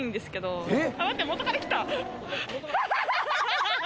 ハハハハ！